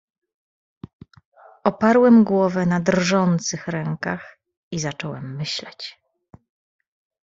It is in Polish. "Oparłem głowę na drżących rękach i zacząłem myśleć."